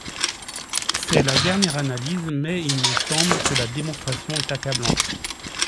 C’est la dernière analyse, mais il me semble que la démonstration est accablante.